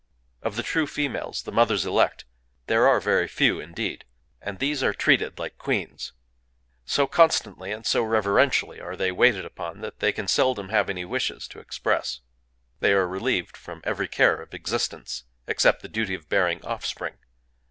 ] Of the true females,—the Mothers Elect,—there are very few indeed; and these are treated like queens. So constantly and so reverentially are they waited upon that they can seldom have any wishes to express. They are relieved from every care of existence,—except the duty of bearing offspring.